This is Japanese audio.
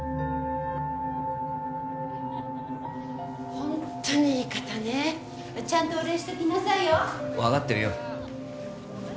ホンットにいい方ねちゃんとお礼しときなさいよ分かってるよ